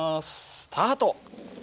スタート。